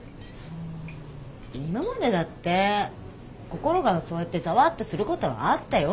今までだって心がそうやってざわっとすることはあったよ。